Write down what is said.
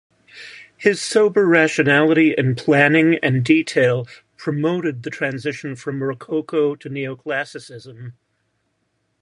His sober rationality in planning and detail promoted the transition from Rococo to Neoclassicism.